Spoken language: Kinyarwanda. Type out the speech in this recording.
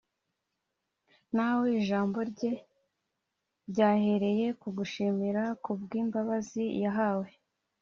na we ijambo rye ryahereye ku gushimira kubw’imbabazi yahawe